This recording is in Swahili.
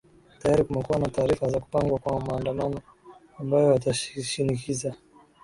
tayari kumekuwa na taarifa za kupangwa kwa maandamano ambayo yatashinikiza